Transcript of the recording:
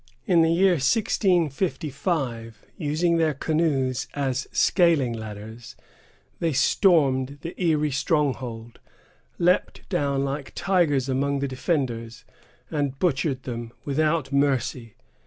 In the year 1655, using their canoes as scaling ladders, they stormed the Erie stronghold, leaped down like tigers among the defenders, and butchered them without mercy.